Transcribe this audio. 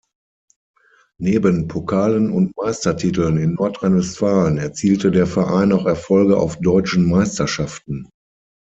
Neben Pokalen und Meistertiteln in Nordrhein-Westfalen erzielte der Verein auch Erfolge auf Deutschen Meisterschaften.